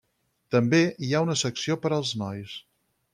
També hi ha una secció per als nois.